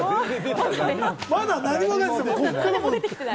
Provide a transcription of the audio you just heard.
まだ何もないですよ、ここから。